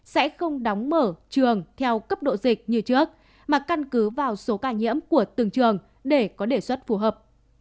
sẽ không đóng mở trường theo cấp độ dịch như trước mà căn cứ vào số ca nhiễm của từng trường để có đề xuất phù hợp